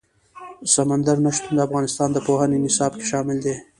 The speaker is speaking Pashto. سمندر نه شتون د افغانستان د پوهنې نصاب کې شامل دي.